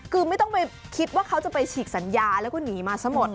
คือไม่ต้องไปคิดว่าเขาจะไปฉีกสัญญาแล้วก็หนีมาซะหมด